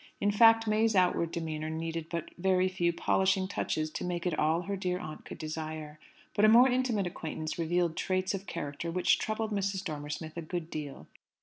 In fact, May's outward demeanour needed but very few polishing touches to make it all her aunt could desire. But a more intimate acquaintance revealed traits of character which troubled Mrs. Dormer Smith a good deal.